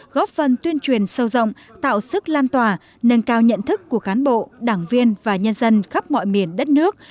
góp phần tuyên truyền sâu rộng tạo sức lan tỏa nâng cao nhận thức của cán bộ đảng viên và nhân dân khắp mọi miền đất nước